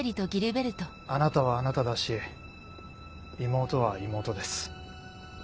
あなたはあなただし妹は妹です。